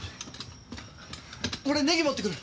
俺ネギ持ってくる。